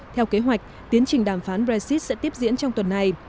theo kế hoạch tiến trình đàm phán brexit sẽ tiếp diễn trong tuần này